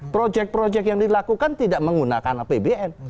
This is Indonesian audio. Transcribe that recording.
proyek proyek yang dilakukan tidak menggunakan apbn